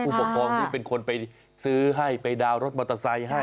ผู้ปกครองที่เป็นคนไปซื้อให้ไปดาวน์รถมอเตอร์ไซค์ให้